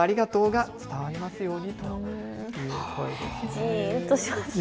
ジーンとしますね。